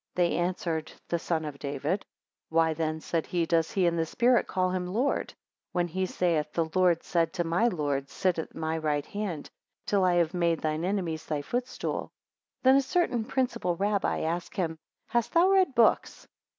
They answered, the son of David. 4 Why then, said he, does he in the spirit call him Lord? When he saith, The Lord said to my Lord, sit thou at my right hand, till I have made thine enemies thy foot stool. 5 Then a certain principal Rabbi asked him, Hast thou read books?